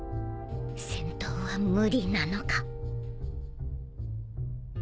戦闘は無理なのか。